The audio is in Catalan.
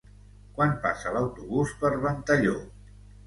Quan passa l'autobús per Ventalló?